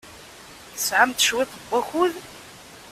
Tesɛamt cwiṭ n wakud?